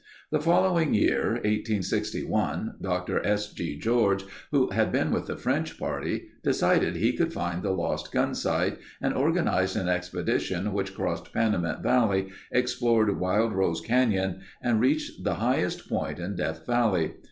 The following year, 1861, Dr. S. G. George who had been with the French party, decided he could find the Lost Gunsight and organized an expedition which crossed Panamint Valley, explored Wild Rose Canyon and reached the highest spot in Death Valley.